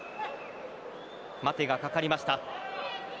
待てがかかりました。